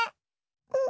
うん。